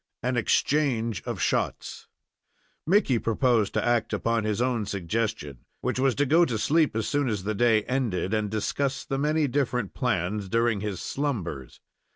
AN EXCHANGE OF SHOTS Mickey proposed to act upon his own suggestion, which was to go to sleep as soon as the day ended and discuss the many different plans during his slumbers.